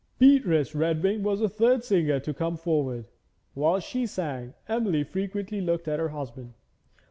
Beatrice Redwing was the third singer to come forward. Whilst she sang Emily frequently looked at her husband.